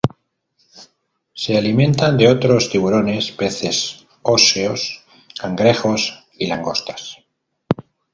Se alimentan de otros tiburones, peces óseos, cangrejos, y langostas.